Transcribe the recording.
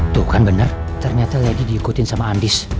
tuh kan bener ternyata lady diikutin sama andis